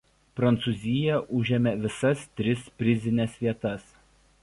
Prancūzija užėmė visas tris prizines vietas.